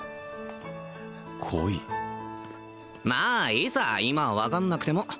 まあいいさ今は分かんなくても